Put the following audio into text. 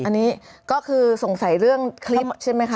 อันนี้ก็คือสงสัยเรื่องคลิปใช่ไหมคะ